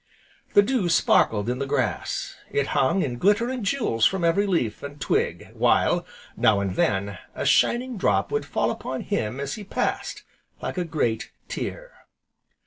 The dew sparkled in the grass, it hung in glittering jewels from every leaf, and twig, while, now and then, a shining drop would fall upon him as he passed, like a great tear.